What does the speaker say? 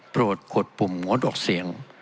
โปรดกดปุ่มงดออกเสียง